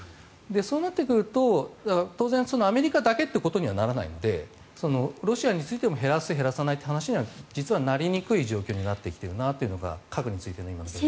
そうなってくると当然、アメリカだけということにはならないのでロシアについても減らす減らさないという議論には実はなりにくい状況になってきているなと思います。